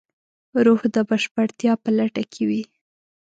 روح د بشپړتیا په لټه کې وي.